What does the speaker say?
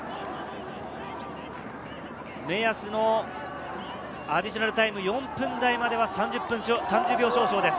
目安のアディショナルタイム４分台まで３０秒少々です。